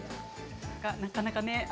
なかなかね